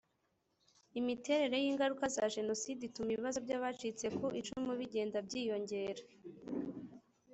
Imiterere y ingaruka za jenoside ituma ibibazo by abacitse ku icumu bigenda byiyongera